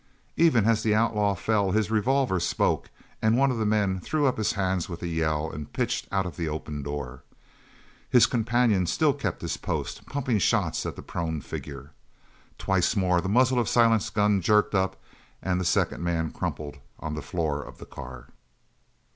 Even as the outlaw fell his revolver spoke and one of the men threw up his hands with a yell and pitched out of the open door. His companion still kept his post, pumping shots at the prone figure. Twice more the muzzle of Silent's gun jerked up and the second man crumpled on the floor of the car.